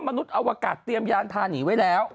นุษยอวกาศเตรียมยานพาหนีไว้แล้ว